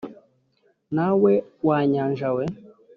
nawe wa nyanja we,